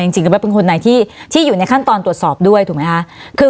จริงแล้วเป็นคนไหนที่อยู่ในขั้นตอนตรวจสอบด้วยถูกไหมคะ